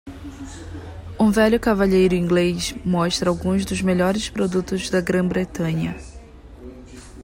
Um velho cavalheiro inglês mostra alguns dos melhores produtos da Grã-Bretanha.